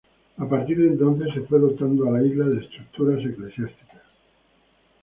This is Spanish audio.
A partir de entonces se fue dotando a la isla de estructuras eclesiásticas.